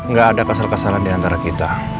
gak ada kesel kesalahan diantara kita